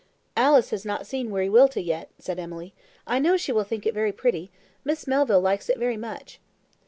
"Alice has not seen Wiriwilta yet," said Emily. "I know she will think it very pretty; Miss Melville likes it very much."